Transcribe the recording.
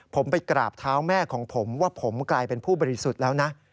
ผมไปกราบเท้าแม่ของผมว่าผมกลายเป็นผู้บริสุทธิ์แล้วนะ